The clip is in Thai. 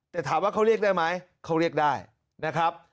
แต่ถามว่าเขาเรียกได้ไหมเขาเรียกได้นะครับ